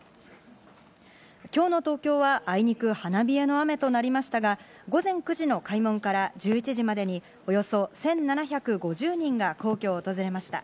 今日の東京はあいにく花冷えの雨となりましたが、午前９時の開門から１１時までにおよそ１７５０人が皇居を訪れました。